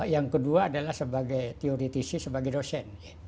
yang kedua adalah sebagai teoritisi sebagai dosen